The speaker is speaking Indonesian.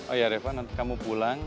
oh ya reva nanti kamu pulang